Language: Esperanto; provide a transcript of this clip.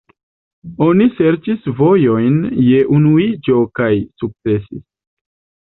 Oni serĉis vojojn je unuiĝo kaj sukcesis.